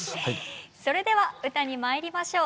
それでは歌にまいりましょう。